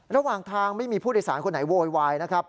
ระหว่างทางไม่มีผู้โดยสารคนไหนโวยวายนะครับ